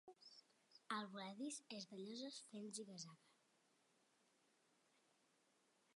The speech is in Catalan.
El voladís és de lloses fent ziga-zaga.